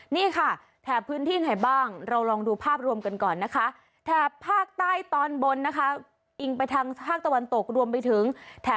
นี่ค่ะแถบพื้นที่ไหนบ้าง